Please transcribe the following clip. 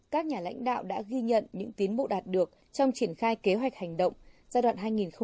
các nhà lãnh đạo đã ghi nhận những tiến bộ đạt được trong triển khai kế hoạch hành động giai đoạn hai nghìn hai mươi một hai nghìn hai mươi năm